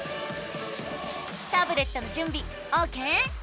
タブレットのじゅんびオーケー？